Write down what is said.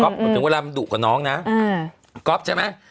กลอปมันนึกว่าดุกับน้องนะกลอปใช่ไหม